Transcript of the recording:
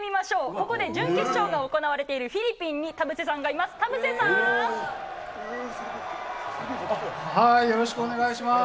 ここで準決勝が行われているフィリピンに田臥さんがいます、よろしくお願いします。